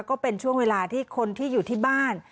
ก็เป็นช่วงเวลาที่คนที่อยู่ที่บ้าน